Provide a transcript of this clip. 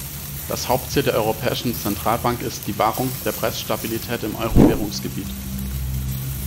Das Hauptziel der Europäischen Zentralbank ist die Wahrung der Preisstabilität im Euro-Währungsgebiet.